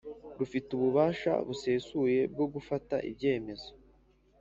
Rufite ububasha busesuye bwo gufata ibyemezo